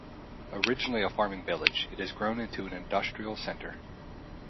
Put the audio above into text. Originally a farming village, it has grown into an industrial center.